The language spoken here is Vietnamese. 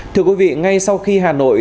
thưa quý vị ngay sau khi hà nội